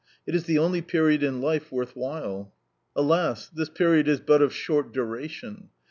It is the only period in life worth while. Alas! This period is but of short duration.